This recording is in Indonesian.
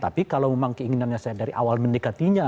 tapi kalau memang keinginannya saya dari awal mendekatinya